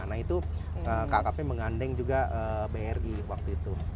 nah itu kkp menggandeng juga bri waktu itu